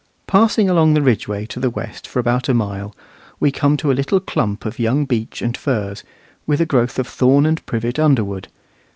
Passing along the Ridgeway to the west for about a mile, we come to a little clump of young beech and firs, with a growth of thorn and privet underwood.